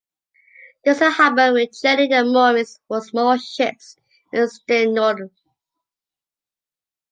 There is a harbor with jetty and moorings for small ships in Steenodde.